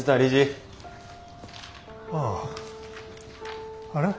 ああ。